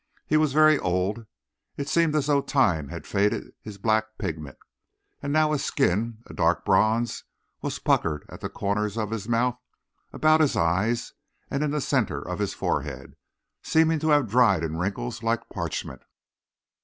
He was very old; it seemed as though time had faded his black pigment, and now his skin, a dark bronze, was puckered at the corners of his mouth, about his eyes, and in the center of his forehead, seeming to have dried in wrinkles like parchment.